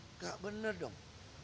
nggak bener dong